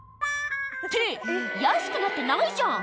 「って安くなってないじゃん」